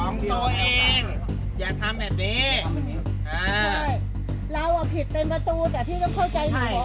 มาทำปล่อยมีใคร